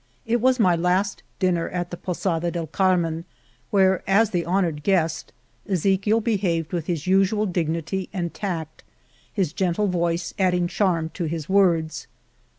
It was my last dinner at the Posada del Carmen, where, as the honored guest, Ezechiel behaved with his usual dignity and tact, his gentle voice adding charm to his words.